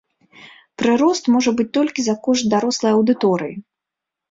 Прырост можа быць толькі за кошт дарослай аўдыторыі.